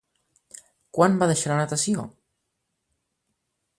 Quan va deixar la natació?